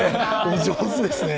上手ですね。